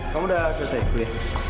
kamu udah selesai kuliah